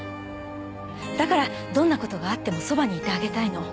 だからどんなことがあってもそばにいてあげたいの。